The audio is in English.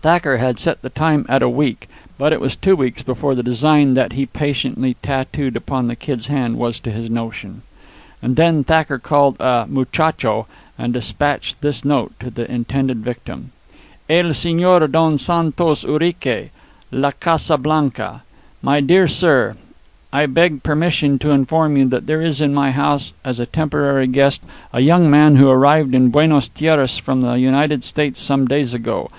Thacker had set the time at a week, but it was two weeks before the design that he patiently tattooed upon the Kid's hand was to his notion. And then Thacker called a muchacho, and dispatched this note to the intended victim: EL SEÑOR DON SANTOS URIQUE, La Casa Blanca, MY DEAR SIR: I beg permission to inform you that there is in my house as a temporary guest a young man who arrived in Buenas Tierras from the United States some days ago.